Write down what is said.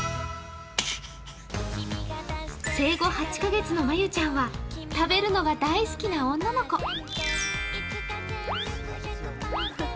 生後８カ月のまゆちゃんは食べるのが大好きな女の子。